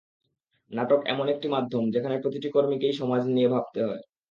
নাটক এমন একটি মাধ্যম, যেখানে প্রতিটি কর্মীকেই সমাজ নিয়ে ভাবতে হয়।